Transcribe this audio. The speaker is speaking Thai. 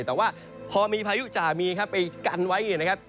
แต่ว่าพอมีภายุจะมีไปกันไว้นะครับ